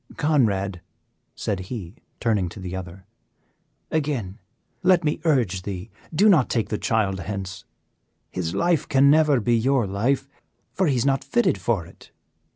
"Conrad," said he, turning to the other, "again let me urge thee; do not take the child hence, his life can never be your life, for he is not fitted for it.